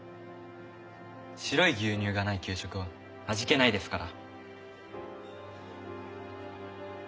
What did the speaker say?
白い牛乳がない給食は味気ないですから。